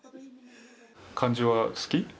漢字は好き？